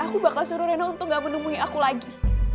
aku bakal suruh nenek untuk gak menemui aku lagi